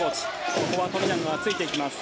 ここは富永がついていきます。